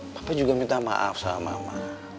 bapak juga minta maaf sama mama